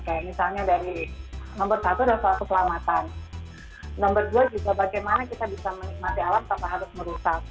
kayak misalnya dari nomor satu adalah soal keselamatan nomor dua juga bagaimana kita bisa menikmati alam tanpa harus merusak